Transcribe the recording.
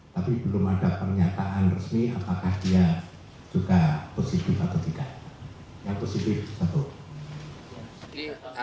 tapi belum ada pernyataan resmi apakah dia juga positif atau tidak